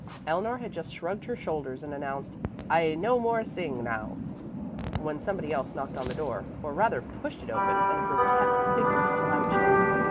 Eleanor had just shrugged her shoulders and announced, "I no more sing, now," when somebody else knocked on the door, or rather pushed it open, and a grotesque figure slouched in.